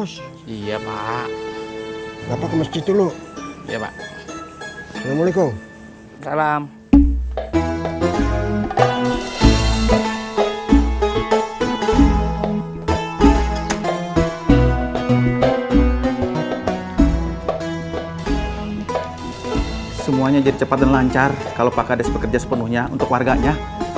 semuanya jadi cepat dan lancar kalau pak kades bekerja sepenuhnya untuk warganya